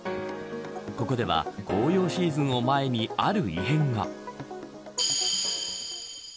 ここでは紅葉シーズンを前にある異変が。